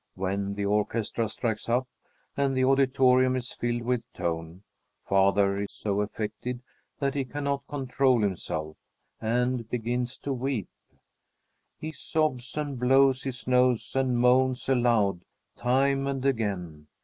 When the orchestra strikes up and the auditorium is filled with tone, father is so affected that he can't control himself, and begins to weep. He sobs and blows his nose and moans aloud, time and again.